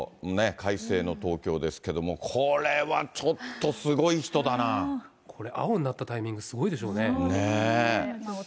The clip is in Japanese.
快晴の東京ですけれども、これ、青になったタイミングすごいでしょうね。